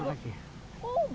ini berat belakang ini